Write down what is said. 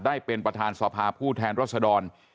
ได้เป็นประธานสภาผู้แทนรัศดร